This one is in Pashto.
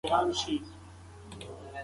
افغانانو په پاني پت کې خپله مېړانه ثابته کړه.